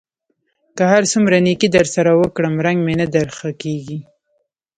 که هر څومره نېکي در سره وکړم؛ رنګ مې نه در ښه کېږي.